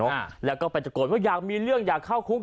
เราก็แสดงไปฉันรู้ว่าอยากมีเรื่องอยากเข้าคุก